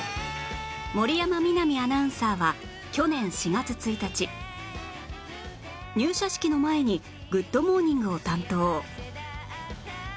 森山みなみアナウンサーは去年４月１日入社式の前に『グッド！モーニング』を担当